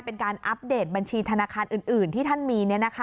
เป็นการอัปเดตบัญชีธนาคารอื่นที่ท่านมี